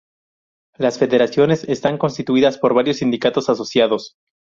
Las "federaciones" están constituidas por varios sindicatos asociados.